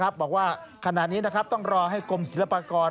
บอกว่าขณะนี้ต้องรอให้กรมศิลปากร